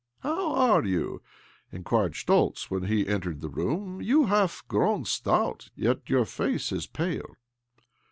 "How are you?" inquired Schtoltz when he entered the room. " You have grown stout, yet your face is pale."